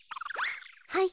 はい。